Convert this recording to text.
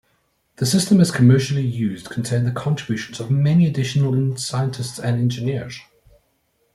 The system as commercially used contained the contributions of many additional scientists and engineers.